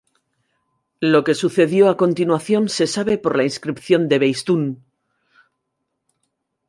Lo que sucedió a continuación se sabe por la inscripción de Behistún.